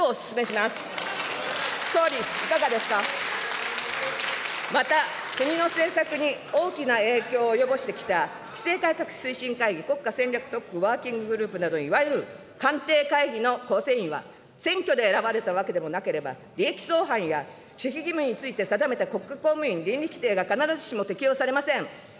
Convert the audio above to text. また国の政策に大きな影響を及ぼしてきた規制改革推進会議、国家戦略特区、ワーキンググループなど、いわゆる官邸会議の構成員は、選挙で選ばれたわけでもなければ利益相反や、守秘義務に対して定めた国家公務員倫理規程が必ずしも適用されません。